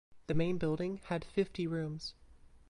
The main building had fifty rooms.